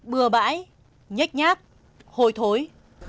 bừa bãi nhách nhác hồi thối